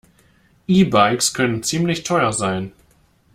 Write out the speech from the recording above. E-Bikes können ziemlich teuer sein.